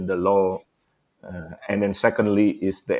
kemudian yang kedua adalah